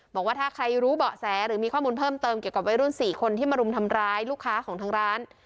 บอกว่าถ้าใครรู้เบาะแสหรือมีข้อมูลเพิ่มเติมเกี่ยวกับวัยรุ่น๔คนที่มารุมทำร้ายลูกค้าของทางร้าน